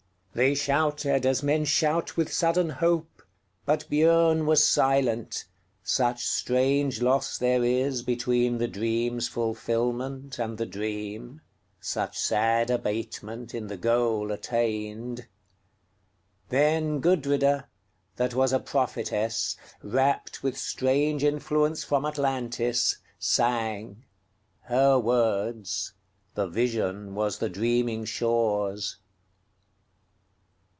They shouted as men shout with sudden hope; But Biörn was silent, such strange loss there isBetween the dream's fulfilment and the dream, Such sad abatement in the goal attained. Then Gudrida, that was a prophetess, Rapt with strange influence from Atlantis, sang:Her words: the vision was the dreaming shore's.